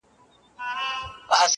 را ستنیږي به د وینو سېل وهلي-